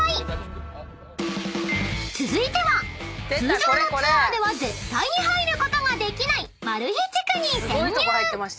［続いては通常のツアーでは絶対に入ることができないマル秘地区に潜入！］